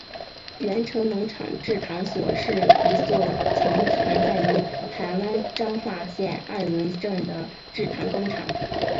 源成农场制糖所是一座曾存在于台湾彰化县二林镇的制糖工厂。